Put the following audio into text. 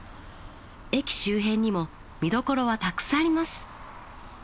駅周辺にも見どころはたくさんあります。